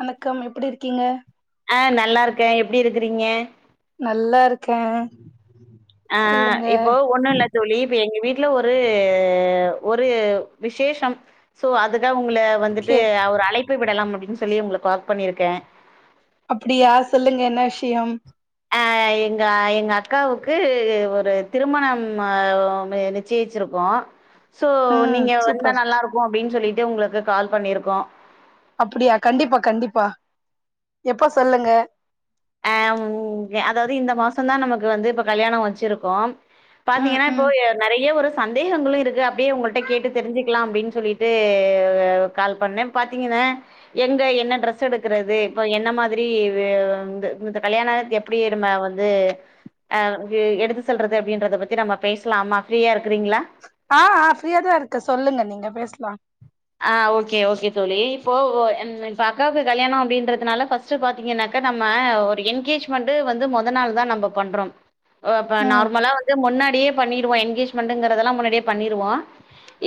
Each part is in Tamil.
வணக்கம் எப்டி இருக்கீங்க ஆ நல்லாருக்கே எப்டி இருக்குறீங்க நல்லாருக்கே ஆ இப்போ ஒண்ணுல்ல தோழி இப்ப எங்க வீட்ல ஒரு ஒரு விசேஷம் சோ அதுக்கா உங்கள வந்துட்டு ஓகே ஒரு அழைப்பு விடலாம் அப்டின் சொல்லி உங்களுக்கு கால் பண்ணிருக்கே அப்டியா சொல்லுங்க என்ன விஷ்யம் ஆ எங்க எங்க அக்காவுக்கு ஒரு திருமணம் அ மெ ஜெய்ச்சிருக்கோ சோ ம் நீங்க வந்தா சூப்பர் நல்லா இருக்கோ அப்டீன்னு சொல்லிட்டு உங்குளுக்கு கால் பண்ணிருக்கோ அப்புடியா கண்டிப்பா கண்டிப்பா எப்ப சொல்லுங்க ஆ உங்க அதாவது இந்த மாசோ தா நமக்கு வந்து இப்ப கல்யாணோ வெச்சிருக்கோ ம் பாத்தீங்கன்னா இப்போ ம் நறைய ஒரு சந்தேகங்களோ இருக்கு அப்டியே உங்கள்ட்ட கேட்டு தெரிஞ்சிக்கலா அப்டின்னு சொல்லிட்டு கால் பண்ணே பாத்தீங்கன்னா எங்க என்ன ட்ரெஸ் எடுக்குறது இப்ப என்ன மாதிரி வே இந் இந்த கல்யாணத் எப்டி நம்ம வந்து அ இங்கு எடுத்து சொல்றத அப்டீன்றத பத்தி நம்ம பேசலா ஃப்ரீயா இருக்குறீங்களா ஆ ஆ ஃப்ரீயா தா இருக்க சொல்லுங்க நீங்க பேசலா ஆ ஓகே ஓகே தோழி இப்போ ஓ என்னு இப்ப அக்காவுக்கு கல்யாணோ அப்டீன்றதுனால ஃபர்ஸ் டு பாத்தீங்கன்னாக்கா நம்ம ஒரு என்கேஜ் மெண்ட் வந்து மொத நாள்தா நம்ம பண்றோ ஒ இப்ப ம் நார்மலா வந்து முன்னாடியே பண்ணிடுவோ என்கேஜ் மெண்ட்ங்கறதெல்லா முன்னாடியே பண்ணிடுவோ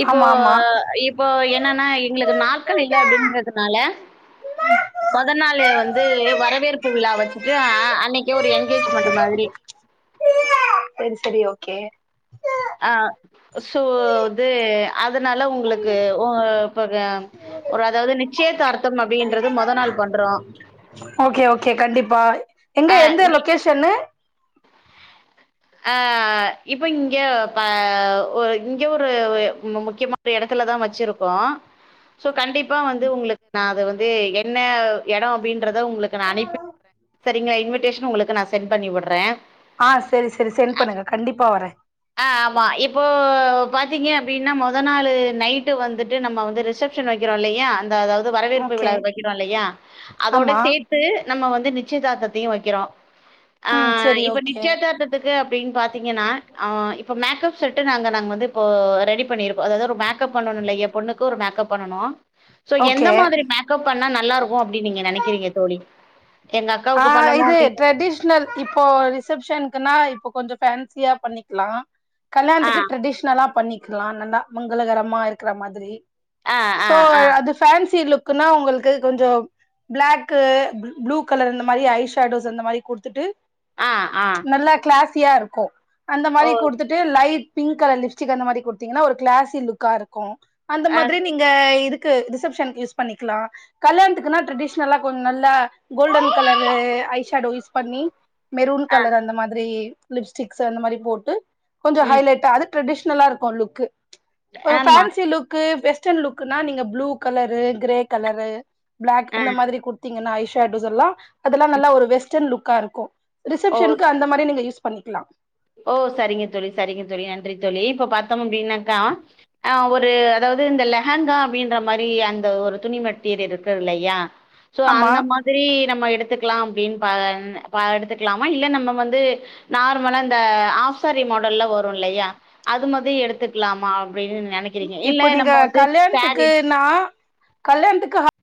இப்போ ஆமா ஆமா இப்போ என்னன்னா எங்குளுக்கு நாட்கள் இல்ல அப்டீன்றதுனால மொதல் நாளு வந்து வரவேற்பு விழா வெச்சுட்டு அ அன்னிக்கே ஒரு என்கேஜ்மெண்ட்டு மாதிரி செரி செரி ஓகே ஆ சோ இது அதனால உங்குளுக்கு ஓ இப்ப க ஒரு அதாவது நிச்சயதார்த்தம் அப்டீன்றது மொத நாள் பண்றோ ஓகே ஓகே கண்டிப்பா எங்க அ எந்த நீ லொகேஷன்னு ஆ இப்ப இங்க ப ஒ இங்க ஒரு மு முக்கியமா ஒரு எடத்துலதா வெச்சிருக்கோ ஸோ கண்டிப்பா வந்து உங்குளுக்கு நா அது வந்து என்ன எடோ அப்டீன்றத உங்குளுக்கு நா அனுப்பி சரிங்களா இன்விட்டேஷன் உங்குளுக்கு நா சென்ட் பண்ணி வுட்றே ஆ செரி செரி சென்ட் பண்ணுங்க கண்டிப்பா வரே ஆ ஆமா இப்போ பாத்தீங்க அப்டீன்னா மொத நாளு நைட்டு வந்துட்டு நம்ம வந்து ரிசப் ஷன் வெக்கிறோ இல்லியா அந்த அதாவது வரவேற்பு ஓகே விழா வெக்கிறோ இல்லயா அதோட ஆமா சேத் து நம்ம வந்து நிச்சயதார்த்தத்தையோ வெக்கிறோ ஆ ம் செரி இப்ப ஓகே நிச்சயதார்த்தத் கு அப்டீன்னு பாத்தீங்கன்னா அ இப்ப மேக்கப் செட்டு நாங்க நாங்க வந்து இப்போ ரெடி பண்ணிருப்போ அதாவது ஒரு மேக் மேக்கப் பண்ணனோ இல்லயா பொண்ணுக்கு ஒரு மேக்கப் பண்ணனோ சோ எந்த ஓகே மாதிரி மேக் கப் பண்ணா நல்லா இருக்கோ அப்டீன்னு நீங்க நெனைக்கிறீங்க தோழி எங்க அ அக்காவுக்கு பண்ணணும் இது அப்டின்னு ட்ரடிஷ் ஷனல் இப்போ ரிசப்ஷனுக்குன்னா இப்போ கொஞ்சோ ஃபேன்சியா பண்ணிக்குலா ஆ, கல்யாணத்துக்கு ட்ரெடிஷ்னலா பண்ணிக்குலா நல்லா மங்களகரமா இருக்குற மாதிரி ஆ, ஆ, சோ ஆ, அது ஃபேன்சி லுக்குனா உங்குளுக்கு கொஞ்சோ பிளாக்கு ப்ளு கலர் அந்த மாரி ஐ ஷாடோஸ் அந்த மாரி குடுத்துட்டு ஆ ஆ நல்லா கிளாசியா இருக்கோ அந்த ஓ! மாரி குடுத்துட் டு லைட் பிங்க் கலர் லிப்ஸ்டிக் அந்த மாரி குடுத்தீங்கன்னா ஒரு கிளாசி லுக்கா இருக்கோ அந்த ஆ. மாதிரி நீ இங்க இதுக்கு ரிசப்ஷன்க்கு யூஸ் பண்ணிக்குலா கல்யாணத்துக்குனா ட்ரெடீஷ்னலா கொஞ்சோ நல்லா golden colour eye shadow use பண்ணி மெரூன் ஆ. கலர் அந்த மாதிரி லிப்ஸ்டிக்ஸ் அந்த மாரி போட்டு கொஞ்சோ ம். ஹைலைட்டா அது ட்ரெடிஷனலா இருக்கோ லுக்கு இப்போ ஆமா. ஃபேன்சி லுக்கு வெஸ்டர்ன் லுக்குனா நீங்க blue colour grey colour black ஆ. அந்த மாதிரி குடுத்தீங்கன்னா ஐ ஷேடோஸ் எல்லா அதெல்லா ம். நல்லா ஒரு வெஸ்டர்ன் லுக்கா இருக்கோ ஓ! ரிசப்ஷன்க்கு அந்த மாதிரி நீங்க யூஸ் பண்ணிக்குலா ஓ சரிங்க தோழி சரிங்க தோழி நன்றி தோழி இப்ப பாத்தோம் அப்டின்னாக்கா ஆ ஒரு அதாவது இந்த லெஹாங்கா அப்டின்ற மாரி அந்த ஒரு துணி மெட்டீரியல்ருக்குது இல்லயா சோ ஆமா அந்த மாத் திரி நம்ம எடுத்துக்கலாம் அப்டின்னு ப பா எடுத்துக்கலாமா இல்ல நம்ம வந்து நார்மலா ந் இந்த ஆஃப் சாரி மாடல்ல வரும் இல்லயா அதுமதி எடுத்துக்குலாமா அப்டின்னு நெனை ம் இப்ப நீங்க கல்யாண்த்துக்கு னா கல்யாணத்துக்கு அ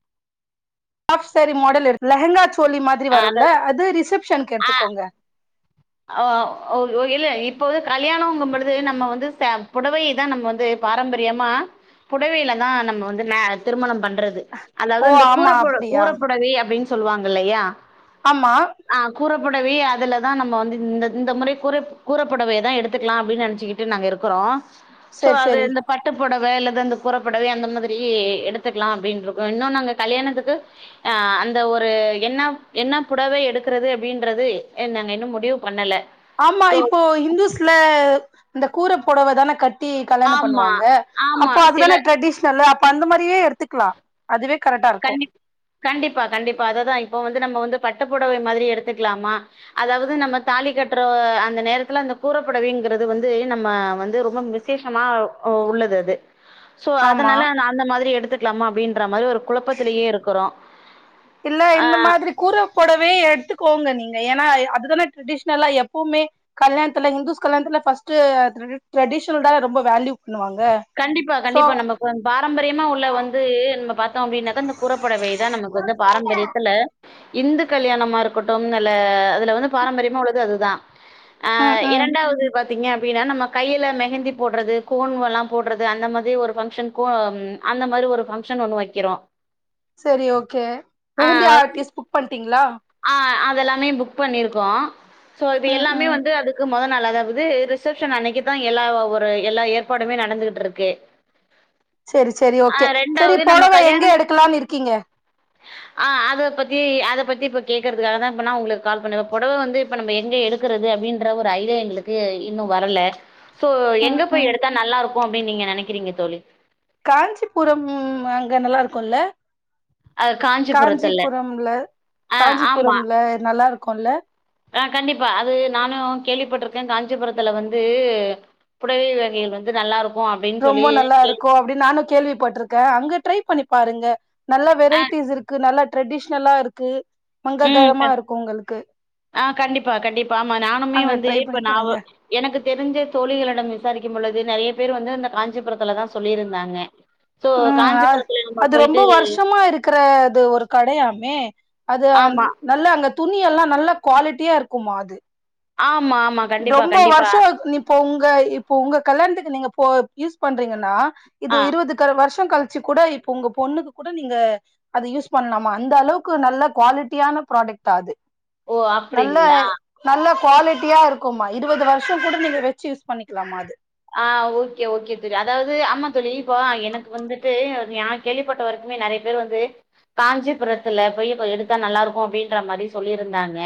ஆஃப் சேரி மாடல் இருக்கு லெஹங்கா சோளி மாத் திரி அ அத வருல்ல அது ரிசப்ஷனுக்கு எடுத்துக்கோங்க அ ஓ ஓ ஓ இல்ல இப்போவே கல்யாணோங்கும் பொழுது நம்ம வந்து சம் புடவை தான் நம்ம வந்து பாரம்பரியமா புடவையில தான் நம்ம வந்து மே திருமணம் பண்றது அதாவது ஓ அந்த ஆமா கூறப்புட அப்டியா கூற புடவை அப்டின்னு சொல்லுவாங்க இல்லையா ஆமா ஆ கூறப்புடவையே அதுலதான் நம்ம வந்து இந்த இந்த முறை கூறை கூறப்புடவையதான் எடுத்துக்குலா அப்டின்னு நெனச்சுக்கிட்டு நாங்க இருக்குறோ சோ சேரி அது சேரி எந்தப் பட்டு புடவ இல்லது அந்த கூற புடவை அந்த மாதிரி எடுத்துக்குலா அப்டின்ட்ருக்கும் இன்னும் நாங்க கல்யாணத்துக்கு ஆ அந்த ஒரு என்ன என்ன புடவை எடுக்குறது அப்டின்றது எ நாங்க இன்னும் முடிவு பண்ணல ஆமா சோ இப்போ இந்துஸ்ல இந்த கூற புடவ தான கட் டி கல்யாண ஆமா பண்ணுவாங்க ஆமா அப்போ சில அதுதான ட்ரெடிஷ்னல்லு அப்ப அந்த மாரியே எடுத்துக்குலா அதுவே கரெக்டா இருக்கும் கண்டி கண்டிப்பா கண்டிப்பா அததான் இப்போ வந்து நம்ம வந்து பட்டுப்புடவை மாதிரி எடுத்துக்குலாமா அதாவது நம்ம தாலி கட்ற ஒ அந்த நேரத்துல அந்த கூறப்புடவைங்குறது வந்து நம்ம வந்து ரொம்ப மிஸ் விசேஷமா ஓ உள்ளது அது சோ ஆமா அதனால நா அந்த மாதிரி எடுத்துக்குலாமா அப்டின்ற மாரி ஒரு குழப்பத்திலயே இருக்குறோ இல்ல ஆ இந்த மாதிரி கூற புடவையே எடுத்துக்கோங்க நீங்க ஏன்னா எ அதுதானே ட்ரெடிஷ்னலா எப்பவுமே கல்யணத்துல ஹிந்துஸ் கல்யாணத்துல ஃபஸ்ட் ட்ரெடிஷ் ட்ரெடிஷ்னல் தான் ரொம்ப வேல்யூ பண்ணுவாங்க சோ வந் பாரம்பரியமா உள்ள வந்து நம்ம பாத்தோம் அப்டின்னாக்கா இந்த கூறப்புடவைதான் நமக்கு வந்து பாரம்பரியத்துல இந்து கல்யாணமா இருக்கட்டும் நல்ல அதுல வந்து பாரம்பரியமா உள்ளது அதுதா ஆ ம் ம் இரண்டாவது பாத்தீங்க அப்பின்னா நம்ம கையில மெகெந்தி போட்றது கோண்வு எல்லாம் போட்றது அந்த மாதிரி ஒரு ஃபங்க்ஷனுக்கோ ம் அந்த மாரி ஒரு ஃபங்க்ஷன் ஒண்ணு வக்கிறோம் சரி ஓகே மெஹந்தி ஆர்டிஸ்ட் புக் பண்ட்டீங்களா ஆ அதெல்லாமே புக் பண்ணிருக்கோ சோ இது ம் எல்லாமே ம் வந்து அதுக்கு மொதல் நாள் அதாவது ரிசப்ஷன் அன்னைக்குதான் எல்லா ஒரு எல்லா ஏற்ப் பாடுமே நடந்துகிட்ருக்கு சரி சரி ஓகே சரி புடவ எங்க கல்யாணம் எடுக்கலான்னு இருக்கீங்க ஆ அத பத்தி அத பத்தி இப்ப கேக்குறதுக்காக தான் இப்ப நா உங்குளுக்கு கால் பண்ணே இப்ப புடவ வந்து இப்போ நம்ம எங்க எடுக்குறது அப்புடின்ற ஒரு ஐடியா எங்களுக் கு இன்னும் வரல சோ ம் எங்க போய் ம் எடுத்தா நல்லா இருக்கும் அப்புடின்னு நீங்க நெனைக்கிறீங்க தோழி காஞ்சிபுரம் அங்க நல்லா இருக்குல்ல அது காஞ்சிபுரத்துல காஞ்சிபுரம்ல ஆ ஆமா காஞ்சிபுரம்ல நல்லா இருக்குல்ல ஆ கண்டிப்பா அது நானும் கேள்விப்பட்ருக்கேன் காஞ்சிபுரத்துல வந்து புடவை வகைகள் வந்து நல்லா இருக்கும் அப்புடின்னு சொல்லி ‌கேள்வி அப்டின் நானும் கேள்விப்பட்ருக்கேன் அங்க ட்ரை பண்ணி பாருங்க நல்லா ஆ வெரைட்டிஸ் இருக்கு நல்லா ட்ரெடிஷ்னலா இருக்கு ம் மங்ககரமா க இருக்கு உங்களுக்கு ஆ கண்டிப்பா கண்டிப்பா ஆமா நானுமே அங்க வந்து ட்ரை பண்ணி இப்ப நா பாருங்க எனக்கு தெரிஞ்ச தோழிகளிடம் விசாரிக்கும் பொழுது நெறைய பேர் வந்து இந்த காஞ்சிபுரத்துல தா சொல்லியிருந்தாங்க சோ உம் அஹ காஞ்சிபுரத்துல நம்ம அது ரொம்ப போயிட்டு வருஷமா இருக் கிறது ஒரு கடையாமே அது அந் ஆமா நல்லா அங்க துணி எல்லா நல்லா குவாலிட்டியா இருக்கும்மா அது ஆமா ஆமா கண்டிப்பா ரொம்ப கண்டிப்பா வருஷோ நிப் இப்ப உங்க இப்ப உங்க கல்யாணத்துக்கு நீங்க போ யூஸ் பண்றீங்கன்னா ஆ இது இருவது கற் வருஷோ கழிச்சு கூட இப்ப உங்க பொண்ணுக்கு கூட நீங்க அது யூஸ் பண்லாமா அந்த அளவுக்கு நல்ல குவாலிட்டியான ப்ராடக்டா அது ஓ நல்ல அப்டிங்களா நல்ல குவாலிட்டியா இருக் குமா இருவது வர்ஷோ கூட நீங்க வெச்சு யூஸ் பண்ணிக்கலாமா அது ஆ ஓகே ஓகே தோழி அதாவது ஆம்மா தோழி இப்ப எனக்கு வந்துட்டு நா கேள்விப்பட்ட வரைக்குமே நெறைய பேர் வந்து காஞ்சிபுரத்துல போய் இப்ப எடுத்தா நல்லா இருக்கு அப்டின்ற மாதிரி சொல்லியிருந்தாங்க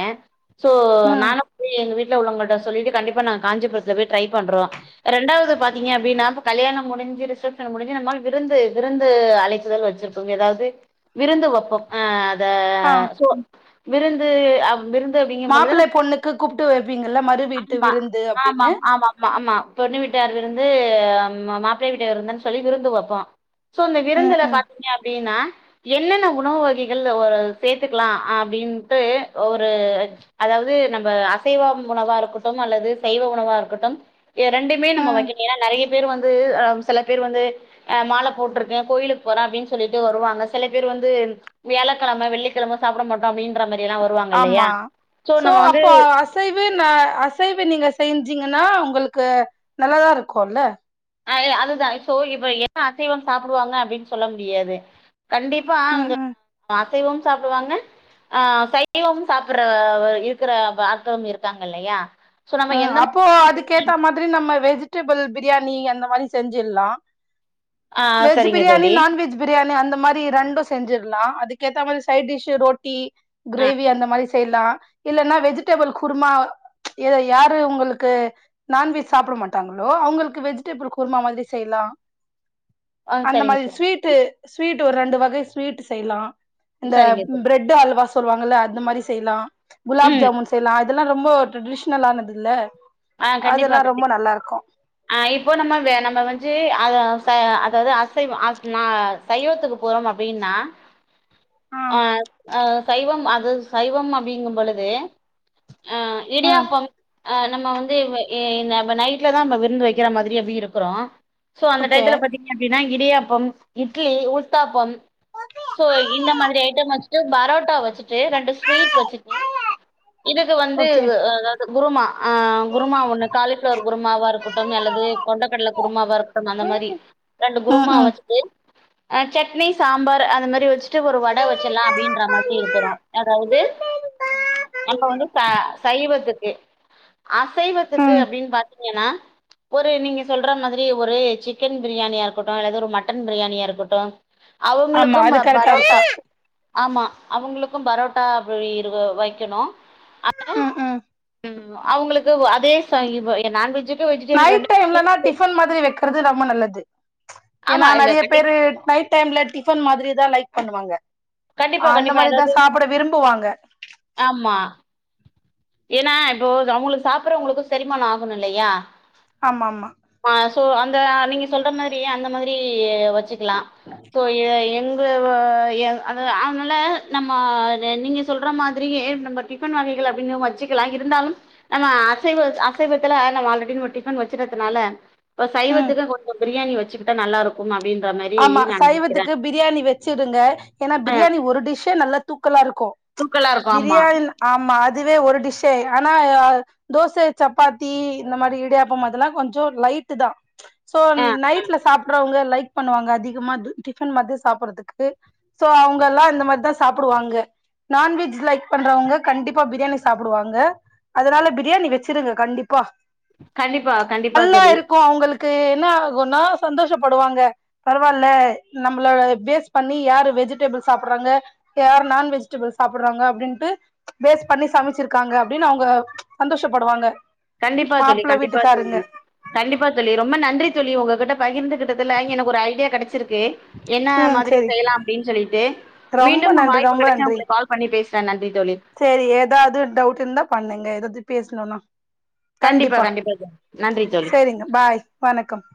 சோ ம் நானும் போய் எங்க வீட்ல உள்ளவங்களிட்ட சொல்லி கண்டிப்பா நாங்க காஞ்சிபுரத்துல போய் ட்ரை பண்றோ ரெண்டாவது பாத்தீங்க அப்டின்னாப்ப கல்யாணம் முடிஞ்சு ரிசெப்ஷன் முடிஞ்சு நம்மாள் விருந்து விருந்து அழைபிதல் வெச்சிரு போம் எதாவது விருந்து வெப்போம் ஆ அத ஆ சொ விருந்து விருந் து அப்டிங் பொழுது மாப்பிள்ளை பொண்ணுக்கு கூப்பிட்டு வைப்பீங்கல்ல மறு வீட்டு மா விருந்து அப்படின்னு ஆமா பொண்ணு வீட்டார் விருந்து மாப்பிளையை வீட்ட விருந்தன் சொல்லி விருந்து வப்போம் சோ இந்த ம் விருந்துல ம் பாத்தீங்க அப்டின்னா என்னென்ன உணவு வகைகள் ஒரு சேர்த்துக்கலாம் அப்டின்ட்டு ஒரு அதாவது நம்ம அசைவ உணவா இருக்கட்டும் அல்லது சைவ உணவா இருக்கட்டும் ரெண்டுமே நம்ம ம் வெக்கனு ஏன்னா நெறைய பேர் வந்து சில பேர் வந்து அ மாலை போட்டிருக்கே கோயிலுக்கு போறேன் அப்டின்னு சொல்லிட்டு வருவாங்க சில பேர் வந்து வியாழக்கிழம வெள்ளிக்கிழம சாப்பட மாட்டோ அப்டின்ற மாதிரி எல்லா வருவாங்க இல்லையா ஆமா சோ நம்ம வந்து அசைவு தா அசைவு நீங்க செஞ்சீங்கன்னா உங்களுக்கு நல்லாதா இருக்கும்ல்ல அ அதுதான் இப்போ அசைவம் சாப்பிடுவாங்க அப்டின் சொல்ல முடியாது கண்டிப்பா ம் அந்த ம் அசைவம் சாப்பிடுவாங்க ஆ சைவும் சாப்பற இருக்கிற பாத்தும் இருக்காங்க இல்லையா சோ நம்ம அஹ எந்த மா அப்போ அதுக்கு ஏத்த மாதிரி நம்ம வெஜிடபிள் பிரியாணி அந்த மாதிரி செஞ்சிலா ஆ சரிங்க வெஜ்பிரியாணி தோழி நான் வெஜ் பிரியாணி அந்த மாதிரி ரெண்டும் செஞ்சிலா அதுக்கு ஏத்த மாதிரி சைடிஷ்சு ரொட்டி ஆ கிரேவி அந்த மாரி செய்லா இல்லன்னா வெஜிடபிள் குருமா இத யாரு உங்குளுக்கு நான்வெஜ் சாப்ட மாட்டாங்களோ அவுங்களுக்கு வெஜிடேபிள் குர்மா மாதிரி செய்யலா ஆ அந்த சரிங்க மாரி தோழி ஸ்வீட்டு ஸ்வீட் ஒரு ரெண்டு வகை ஸ்வீட் செய்லா இந்த சரிங்க தோழி பிரெட் அல்வா சொல்லுவாங்கல்ல அந்த மாரி செய்லா குலாப் ம் ஜாமுன் செய்லா அத லா ரொம்போ ட்ரெடிஷ்னலானது இல்ல ஆ கண்டிப்பா அதெல்லா ரொம்ப கண்டிப்பா நல்லா இருக்கு ஆ இப்போ நம்ம நம்ம வந்து அத அதாவது அசைவ அ நா சைவத்துக்கு போறோம் அப்டின்னா ஆ ஆ சைவம் அது சைவம் அப்டிங்கும் பொழுது ஆ ம் இடியாப்பம் ஆ நம்ம வந் இது ஏ வ் நெ நைட்ல தா விருந்து வைக்கிற மாரி அப்பீ இருக்கிறோ சோ அந்த ஓகே டயத்துல பாத்திங் அப்டின்னா இடியாப்பம் இட்லி உத்தாப்பம் ஸோ இந்த மாதிரி ஐட்டம் வெச்சுட்டு பரோட்டா வெச்சுட்டு ரெண்டு ஸ்வீட் வெச்சு நீ இதுக்கு வந்து ஆ ஓகே வ்வா அதாவது குருமா அ குரும ஒண்ணு காலிப்ளவர் குருமாவா இருக்கட்டூ அல்லது கொண்டக்கடல குருமாவா இருக்கட்டூ அந்த மாரி ரெண்டு ம் குருமாவ ம் வெச்சுட்டு ஆ செட்னி சாம்பார் அந்த மாரி வெச்சுட்டு ஒரு வட வச்சிற்லா அப்டின்ற மாதிரி இருக்கிறோ அதாவது நம்ப வந்து ச சைவத்துக்கு அசைவத்துக்கு ம் அப்டின் பாத்தீங்கன்னா ஒரு நீங்க சொல்ற மாதிரி ஒரு சிக்கன் பிரியாணியா இருக்கட்டூ அல்லது ஒரு மட்டன் பிரியாணியா இருக்கட்டூ ஆமா அவுங்களுக்கூ அது கரெக்டா பரோட்டா இருக்கு ஆமா அவுங்களுக்கூ பரோட்டா அப்டி இ வைக்கணோ அ டுத்து ம் ம் ம் அவுங்களுக்கு அதே செய்யயூ நான் வெஜ்ஜு நைட் டைம்லனா டிஃபன் மாதிரி வைக்கிறது ரொம்ப நல்லது ஆமா ஏன்னா இல்ல நெறய கண்டி பேரு நைட் ட் டைம்ல டிஃபன் மாதிரி தா லைக் பண்ணுவாங்க கண்டிப்பா அந்த கண்டிப்பா மாரிதா சாப்பிட விரும்புவாங்க ஆம்மா ஏன்னா இப்போ அவுங்களுக்கு சாப்பிட்றவங்களுக்கூ செரிமானோ ஆகணூ இல்லியா ஆமாம்மா ஆ சோ அந்த நீங்க சொல்ற மேரி அந்த மாரி வச்சுக்கலா சோ எங் தூ ஏ அது அவங்ல்ல நம்ம இதெ நீங்க சொல்ற மாதிரியே நம்பர் டிஃபன் வாங்கிகலா அப்டின் போத் வெச்சிக்கலா இருந்தாலூ நம் நம்ம அசைவ அசைவத்துல நம்ம ஆல்ரெடி டிஃபன் வச்சிக்கிறதுனால இப்ப ம் சைவத்துக்கு கொஞ்சொ பிரியாணி வச்சுக்கிட்டா நல்லா இருக்கூ அப்டின்ற மாரி ஆமா நா நெனைக்கிறே சைவத்துக்கு பிரியாணி வெச்சுடுங்க ஏன்னா ஆ பிரியாணி ஒரு டிஷ்ஷே நல்லா தூக்கலா இருக்கோ தூக்கலா இருக்கு ஆமா பிரியாணி ஆமா அதுவே ஒரு டிஷ்ஷே ஆயிரூ ஆனா தோச சப்பாத்தி இந்த மாரி இடியாப்போ அதெல்லா கொஞ்சொ லைட்டு தா சோ ஆ நைட்ல சாப்றவங்க லைக் பண்ணுவாங்க அதிகமா டிஃபன் மாதிரி சாப்றதுக்கு சோ அவுங்கலா இந்த மாரி தா சாப்புடுவாங்க நான்வெஜ் லைக் பண்றவங்க கண்டிப்பா பிரியாணி சாப்புடுவாங்க அதனால பிரியாணி வச்சிருங்க கண்டிப்பா கண்டிப்பா கண்டிப்பா நல்லா தோழி இருக்கூ அவுங்களுக்கு க்கு என்ன கொஞ்சொ நேரோ சந்தோஷப்படுவாங்க பரவால்ல நம்மள பேஸ் பண்ணி யாரு வெஜிடபிள் சாப்புறாங்க யார் நான் வெஜிடபிள் சாப்பறாங்க அப்டின்னுட்டு பேஸ் பண்ணி சமச்சுருக்காங்க அப்டின்னு அவுங்க சந்தோஷப்படுவாங்க கண்டிப்பா தோழி மாப்ள கண்டிப்பா வீட்டுக்காருங்க தோழி கண்டிப்பா தோழி ரொம்ப நன்றி தோழி உங்ககிட்ட பகிர்ந்துகிட்டதுல எனக்கு ஒரு ஐடியா கெடச்சிருக்கு என்ன ம் மாதிரி செரி செய்யலா அப்டின்னு சொல்லிட்டு ரொம்ப மீண்டும் நன்றி வாய்ப்பு ரொம்ப கெடச்சா நன்றி உங்களுக்கு கால் பண்ணி பேசறே நன்றி தோழி சேரி ஏதாவது டவுட் இருந்தா பண்ணுங்க இத பத்தி பேசணும்னா கண்டிப்பா தோழி நன்றி தோழி சேரிங்க பாய் வணக்கம்